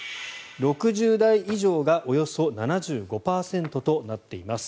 ６０代以上がおよそ７５％となっています。